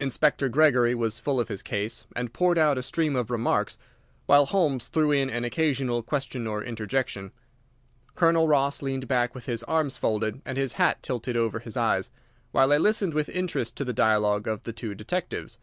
Inspector Gregory was full of his case, and poured out a stream of remarks, while Holmes threw in an occasional question or interjection. Colonel Ross leaned back with his arms folded and his hat tilted over his eyes, while I listened with interest to the dialogue of the two detectives.